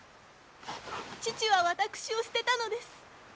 父は私を捨てたのです！